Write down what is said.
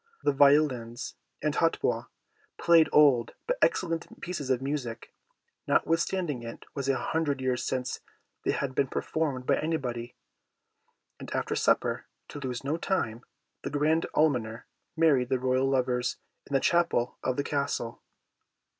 The violins and hautbois played old but excellent pieces of music, notwithstanding it was a hundred years since they had been performed by anybody; and after supper, to lose no time, the grand Almoner married the royal lovers in the chapel of the Castle.